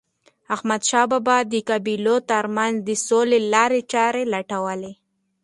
احمدشاه بابا د قبایلو ترمنځ د سولې لارې چارې لټولې.